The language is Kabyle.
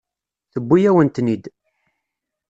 Tewwi-yawen-ten-id.